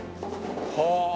はあ。